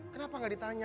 kenapa gak ditanya